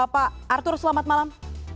pak arthur selamat malam